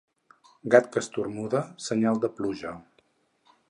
Gat que esternuda, senyal de pluja.